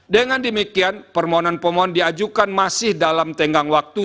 dengan demikian permohonan pemohon diajukan masih dalam tenggang waktu